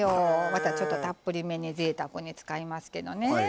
バターちょっとたっぷりめにぜいたくに使いますけどね。